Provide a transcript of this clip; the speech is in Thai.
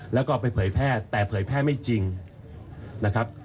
แล้วก็ไปเผยแพร่แต่เผยแพร่ไม่จริงนะครับ